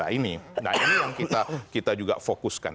tersisa ini nah ini yang kita juga fokuskan